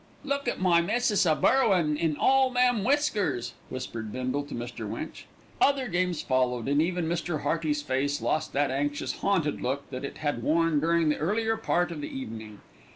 "Look at my missis a burrowin' in all them whiskers," whispered Bindle to Mr. Winch. Other games followed, and even Mr. Hearty's face lost that anxious, haunted look that it had worn during the earlier part of the evening.